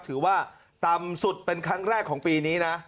ถือว่าต่ำสุดเป็นครั้งแรกของปีนี้นะ